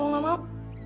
lo gak mau